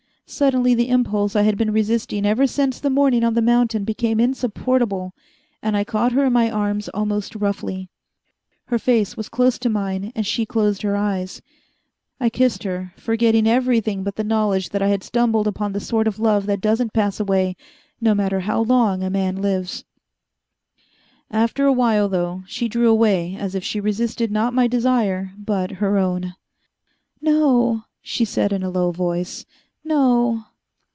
Suddenly the impulse I had been resisting ever since the morning on the mountain became insupportable, and I caught her in my arms almost roughly. Her face was close to mine, and she closed her eyes. I kissed her, forgetting everything but the knowledge that I had stumbled upon the sort of love that doesn't pass away, no matter how long a man lives. After a while, though, she drew away as if she resisted not my desire, but her own. "No " she said in a low voice, "no...."